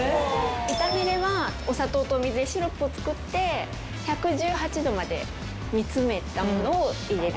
イタメレはお砂糖と水でシロップを作って１１８度まで煮詰めたものを入れる。